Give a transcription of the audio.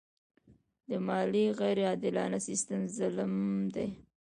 د مالیې غیر عادلانه سیستم ظلم دی.